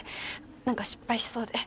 何か失敗しそうで。